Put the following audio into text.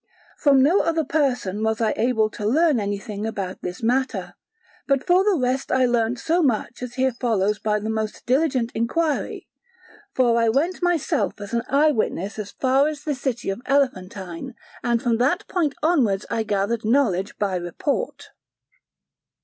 From no other person was I able to learn anything about this matter; but for the rest I learnt so much as here follows by the most diligent inquiry; for I went myself as an eye witness as far as the city of Elephantine and from that point onwards I gathered knowledge by report.